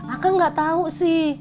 akang gak tau sih